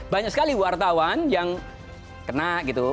banyak sekali wartawan yang kena gitu